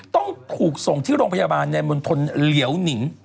ต้องถูกส่งที่โรงพยาบาลในมณฑลเหลียวหนิง